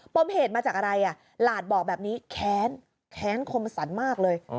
มเหตุมาจากอะไรหลานบอกแบบนี้แค้นแค้นคมสรรมากเลย